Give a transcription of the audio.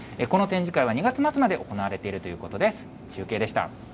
この展示会は２月末まで行われているということです。